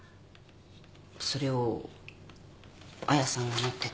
それを亜矢さんが持ってた。